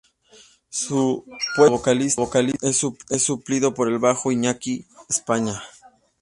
Su puesto como vocalista es suplido por el bajo Iñaki Egaña.